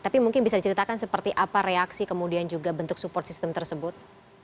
tapi mungkin bisa diceritakan seperti apa reaksi kemudian juga bentuk support system tersebut